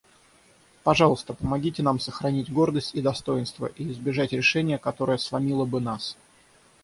Пожалуйста, помогите нам сохранить гордость и достоинство и избежать решения, которое сломило бы нас.